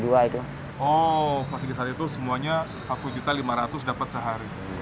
oh waktu itu semuanya satu lima ratus dapat sehari